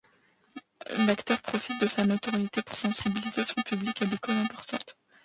L'acteur profite de sa notoriété pour sensibiliser son public à des causes importantes.